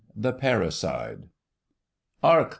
* *THE PARRICIDE.* "'Ark!"